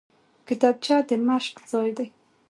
کتابچه د مشق ځای دی